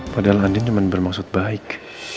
padahal andi cuman bermaksud baik